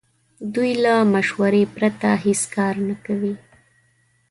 دوی له مشورې پرته هیڅ کار نه کوي.